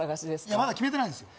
まだ決めてないんですよ